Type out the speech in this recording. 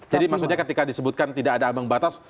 jadi maksudnya ketika disebutkan tidak ada abang batas